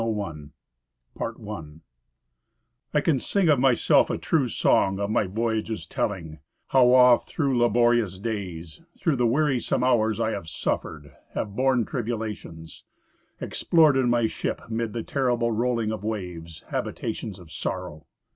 n io8 3 Parti I CAN sing of myself a true song, of my voyages telling, How oft through laborious days, through the weari some hours I have suffered; have borne tribulations; explored in my ship, 'Mid the terrible rolling of waves, habitations of sorrow.